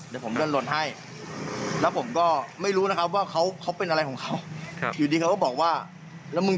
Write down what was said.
แล้วมึงจะทำไมกับกู